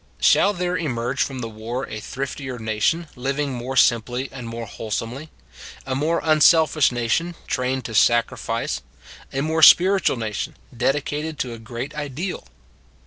Shall there emerge from the war a thriftier nation, living more simply and more wholesomely; a more unselfish na tion, trained to sacrifice; a more spiritual nation, dedicated to a great ideal?